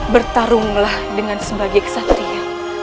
bertarunglah dengan sebagai kesatria